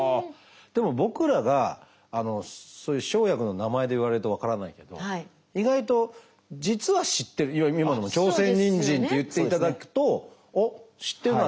でも僕らがそういう生薬の名前で言われると分からないけど意外と実は知ってる今のも「朝鮮人参」って言っていただくとあっ知ってるな。